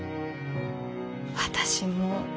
私も。